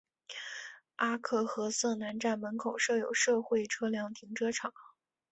阿克和瑟南站门口设有社会车辆停车场。